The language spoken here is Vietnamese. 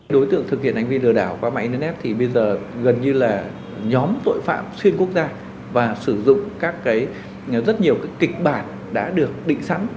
đối tượng thực hiện ánh viên lừa đảo qua mạng internet thì bây giờ gần như là nhóm tội phạm xuyên quốc gia và sử dụng các cái rất nhiều cái kịch bản đã được định sẵn